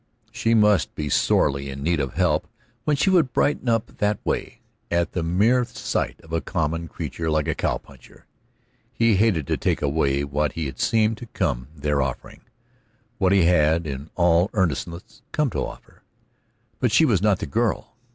She must be sorely in need of help when she would brighten up that way at the mere sight of a common creature like a cow puncher. He hated to take away what he had seemed to come there offering, what he had, in all earnestness, come to offer. But she was not the girl.